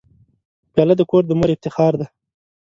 پیاله د کور د مور افتخار دی.